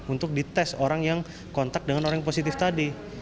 untuk dites orang yang kontak dengan orang yang positif tadi